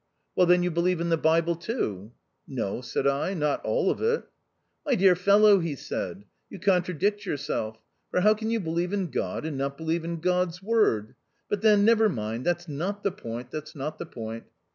" Well, then, you believe in the Bible, too?" " No," said I ;" not all of it." " My dear fellow," he said, " you contra dict yourself ; for how can you believe in God and not believe in God's word 1 But, then, never mind — that's not the point — that's not the point."